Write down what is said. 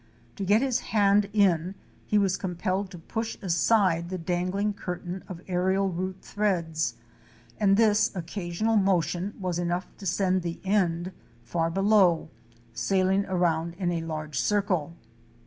To get his hand in, he was compelled to push aside the dang ling curtain of aérial root threads, and this occasional motion was enough to send the end, far below, sailing around in a large circle.